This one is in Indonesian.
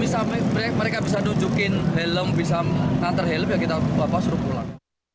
itu saksi terakhir kalau mereka bisa tunjukkan helm bisa menantar helm ya kita bawa surut pulang